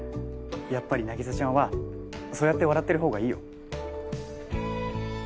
やっぱり凪沙ちゃんはそうやって笑ってる方がいいよ。